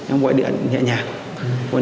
em gọi điện nhẹ nhàng